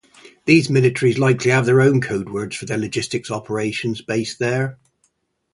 These militaries likely have their own codewords for their logistics operations based there.